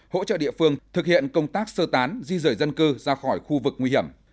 hỗ trợ địa phương thực hiện công tác sơ tán di rời dân cư ra khỏi khu vực nguy hiểm